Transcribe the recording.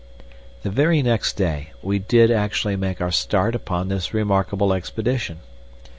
The very next day we did actually make our start upon this remarkable expedition.